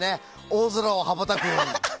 大空をはばたくように。